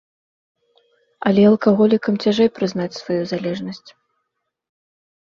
Але алкаголікам цяжэй прызнаць сваю залежнасць.